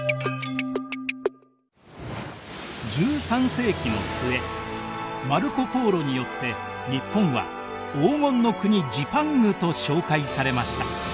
１３世紀の末マルコ・ポーロによって日本は黄金の国・ジパングと紹介されました。